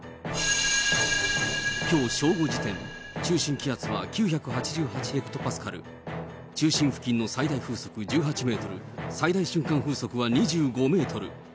きょう正午時点、中心気圧は９８８ヘクトパスカル、中心付近の最大風速１８メートル、最大瞬間風速は２５メートル。